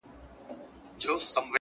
خاموسي تر ټولو قوي ځواب دی